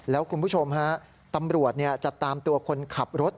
แล้วคุณผู้ชมฮะตำรวจจะตามตัวคนขับรถ